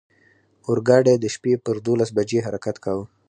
اورګاډی د شپې پر دولس بجې حرکت کاوه.